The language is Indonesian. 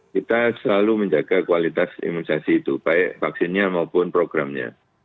kita selalu menjaga kualitas imunisasi itu baik vaksinnya maupun programnya